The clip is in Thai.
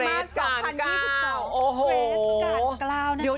เกรสกาลกล้าวนั่นเอง